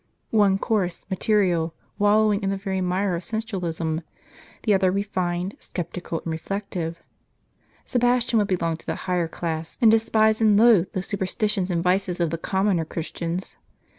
one coarse, material, wallowing in the very mire of sensualism ; the other refined, sceptical and reflective. Sebastian would belong to the higher class, and despise and loathe the superstitions and vices of the com moner Christians.